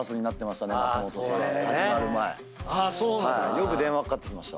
よく電話かかってきました。